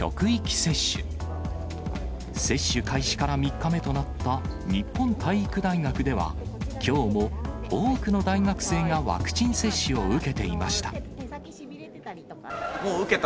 接種開始から３日目となった日本体育大学では、きょうも多くの大学生がワクチン接種を受けていました。